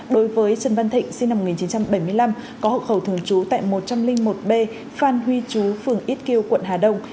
đối với trần văn thịnh sinh năm một nghìn chín trăm bảy mươi năm có hậu khẩu thường trú tại một trăm linh một b phan huy chú phường ít kiêu quận hà đông